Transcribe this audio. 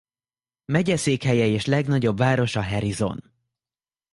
Megyeszékhelye és legnagyobb városa Harrison.